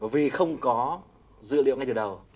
vì không có dữ liệu ngay từ đầu